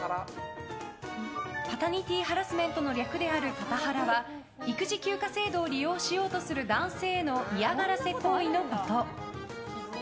パタニティハラスメントの略であるパタハラは育児休暇制度を利用しようとする男性への嫌がらせ行為のこと。